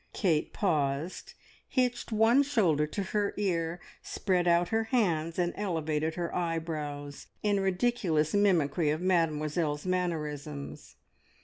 Kate paused, hitched one shoulder to her ear, spread out her hands, and elevated her eyebrows in ridiculous mimicry of Mademoiselle's mannerisms.